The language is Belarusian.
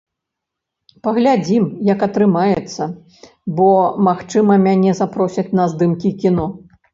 Паглядзім, як атрымаецца, бо, магчыма, мяне запросяць на здымкі кіно.